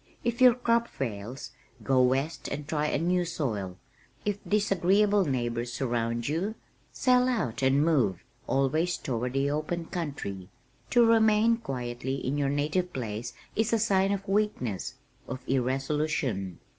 "If your crop fails, go west and try a new soil. If disagreeable neighbors surround you, sell out and move, always toward the open country. To remain quietly in your native place is a sign of weakness, of irresolution.